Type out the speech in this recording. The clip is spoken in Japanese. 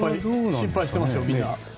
心配してますよ、みんな。